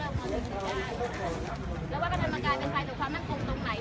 มีผู้ที่ได้รับบาดเจ็บและถูกนำตัวส่งโรงพยาบาลเป็นผู้หญิงวัยกลางคน